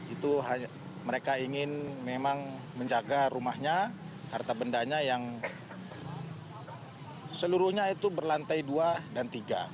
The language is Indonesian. itu mereka ingin memang menjaga rumahnya harta bendanya yang seluruhnya itu berlantai dua dan tiga